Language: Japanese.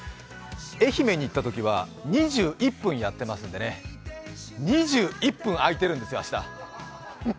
愛媛に行ったときは２１分やってますのでね、２１分あいているんですよ、明日。